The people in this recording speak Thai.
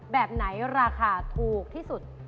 แบบไหนราคาถูกที่สุด